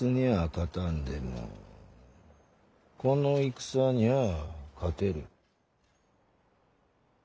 勝たんでもこの戦にゃあ勝てる。